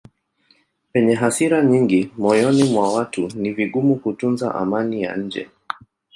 Penye hasira nyingi moyoni mwa watu ni vigumu kutunza amani ya nje.